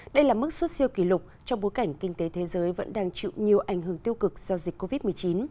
đây là mức xuất siêu kỷ lục trong bối cảnh kinh tế thế giới vẫn đang chịu nhiều ảnh hưởng tiêu cực do dịch covid một mươi chín